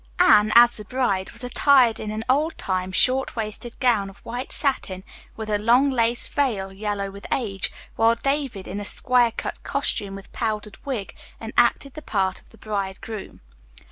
Anne, as the bride, was attired in an old time, short waisted gown of white satin with a long lace veil, yellow with age, while David in a square cut costume with powdered wig, enacted the part of the bridegroom.